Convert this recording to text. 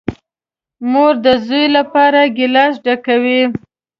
مور ده زوی لپاره گیلاس ډکوي .